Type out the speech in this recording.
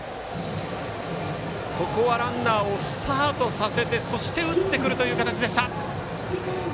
ここはランナーをスタートさせてそして打ってくる形でした。